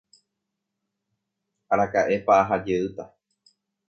araka'épa aha jeýta